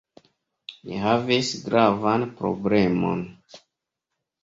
Ni havis gravan problemon.